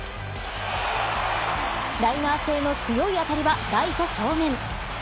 ライナー性の強い当たりはライト正面。